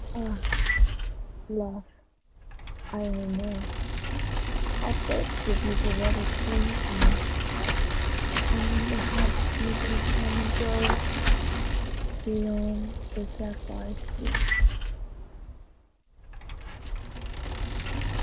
Ah, love, I only know How thoughts of you forever cling to me ; I wonder how the seasons come and go Beyond the Sapphire Sea?